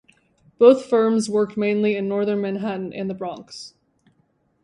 Both firms worked mainly in northern Manhattan and the Bronx.